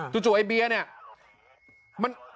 จู่ไอ้เบี้ยเนี่ย